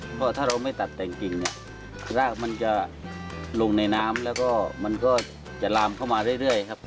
เพราะถ้าเราไม่ตัดแต่งกิ่งเนี่ยรากมันจะลงในน้ำแล้วก็มันก็จะลามเข้ามาเรื่อยครับ